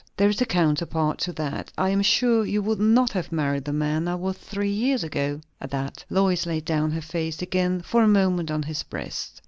"There is a counterpart to that. I am sure you would not have married the man I was three years ago." At that Lois laid down her face again for a moment on his breast.